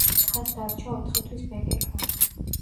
თხას დარჩა ოთხი თვის ბეკეკა.